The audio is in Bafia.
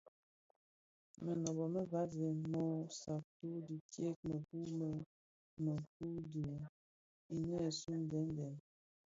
Mënôbö më vasèn mö satü tidyëk mëku lè mëku dhi binèsun deň deň deň.